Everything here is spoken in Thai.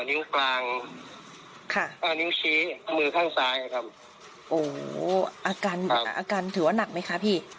นิ้วกลางค่ะอ่านิ้วชี้มือข้างซ้ายครับโอ้โหอาการอาการถือว่าหนักไหมคะพี่